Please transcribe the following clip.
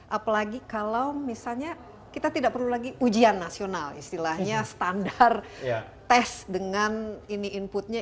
apalagi kalau misalnya kita tidak perlu lagi ujian nasional istilahnya standar tes dengan ini inputnya